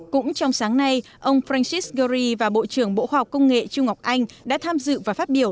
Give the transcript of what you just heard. cũng trong sáng nay ông francis gari và bộ trưởng bộ khoa học công nghệ trung ngọc anh đã tham dự và phát biểu